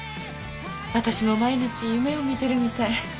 私も毎日夢を見てるみたい。